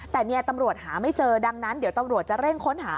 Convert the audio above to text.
แต่เนี่ยตำรวจหาไม่เจอดังนั้นเดี๋ยวตำรวจจะเร่งค้นหา